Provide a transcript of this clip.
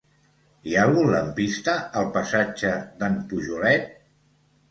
Hi ha algun lampista al passatge d'en Pujolet?